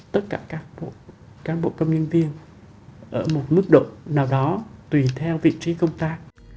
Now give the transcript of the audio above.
tất cả các cán bộ công nhân viên ở một mức độ nào đó tùy theo vị trí công tác